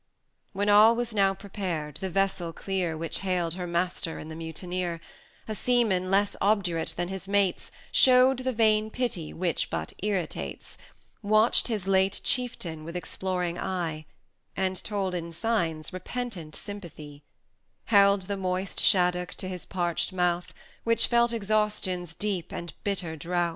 140 VIII. When all was now prepared, the vessel clear Which hailed her master in the mutineer, A seaman, less obdurate than his mates, Showed the vain pity which but irritates; Watched his late Chieftain with exploring eye, And told, in signs, repentant sympathy; Held the moist shaddock to his parched mouth, Which felt Exhaustion's deep and bitter drouth.